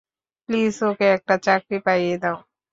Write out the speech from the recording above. Please, okay একটা চাকরি পাইয়ে দাও।